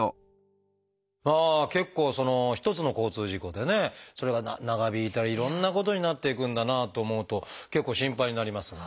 結構一つの交通事故でねそれが長引いたりいろんなことになっていくんだなと思うと結構心配になりますが。